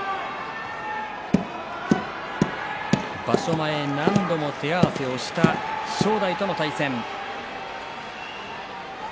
前、何度も手合わせをした正代との対戦。